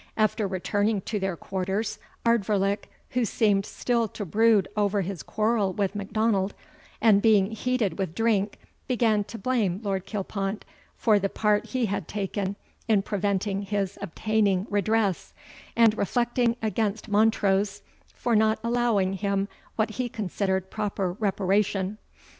After returning to their quarters, Ardvoirlich, who seemed still to brood over his quarrel with Macdonald, and being heated with drink, began to blame Lord Kilpont for the part he had taken in preventing his obtaining redress, and reflecting against Montrose for not allowing him what he considered proper reparation.